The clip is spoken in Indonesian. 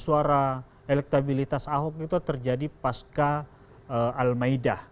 suara elektabilitas ahok itu terjadi pasca al maidah